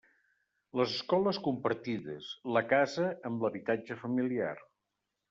Les escoles compartides la casa amb l'habitatge familiar.